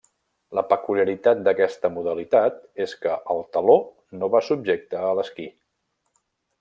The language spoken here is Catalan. La peculiaritat d'aquesta modalitat és que el taló no va subjecte a l'esquí.